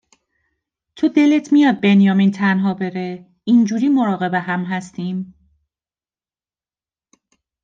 تو دلت میاد بنیامین تنها بره؟ اینجوری مراقب هم هستیم